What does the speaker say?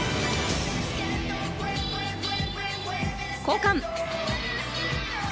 交換。